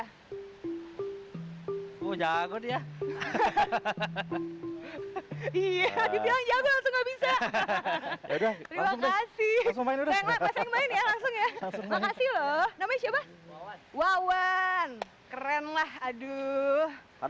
hai book jago dia hahaha